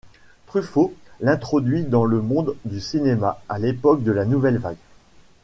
Truffaut l'introduit dans le monde du cinéma à l'époque de la Nouvelle Vague.